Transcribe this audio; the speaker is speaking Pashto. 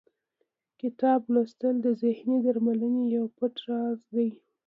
کتاب لوستل د ذهني درملنې یو پټ راز دی.